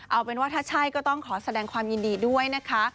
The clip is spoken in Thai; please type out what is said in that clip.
เอาเป็นว่าถ้าใช่ก็ต้องขอแสดงความยินดีด้วยนะคะ